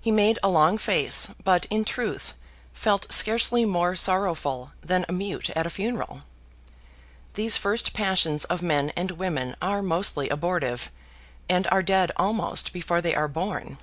He made a long face, but, in truth, felt scarcely more sorrowful than a mute at a funeral. These first passions of men and women are mostly abortive; and are dead almost before they are born.